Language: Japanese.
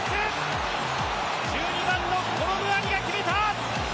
１２番のコロムアニが決めた！